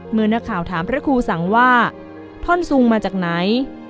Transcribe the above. เมื่อนักข่าวถามพระครูสังว่าท่อนซุงมาจากไหน